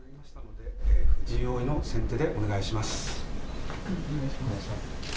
藤井王位の先手でお願いしまお願いします。